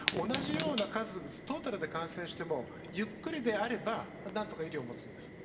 同じような数、トータルで感染しても、ゆっくりであれば、なんとか医療はもつんです。